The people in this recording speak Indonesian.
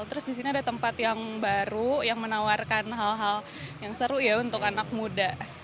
terus di sini ada tempat yang baru yang menawarkan hal hal yang seru ya untuk anak muda